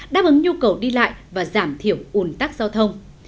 đáp ứng nhu cầu đi lại và giảm thiểu ủn tắc giao thông